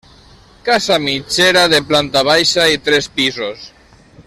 Casa mitgera de planta baixa i tres pisos.